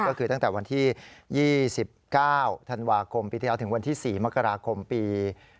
ก็คือตั้งแต่วันที่๒๙ธันวาคมปีที่แล้วถึงวันที่๔มกราคมปี